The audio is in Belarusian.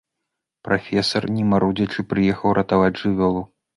Прафесар, не марудзячы, прыехаў ратаваць жывёлу.